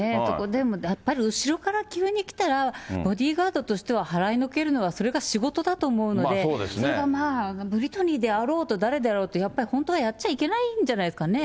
でもやっぱり後ろから急に来たら、ボディーガードとしては払いのけるのはそれが仕事だと思うので、それがまあ、ブリトニーであろうと誰であろうと、やっぱり本当はやっちゃいけないんじゃないんですかね。